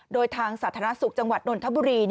โดยทางสาธารณสุขจังหวัดนนทบุรี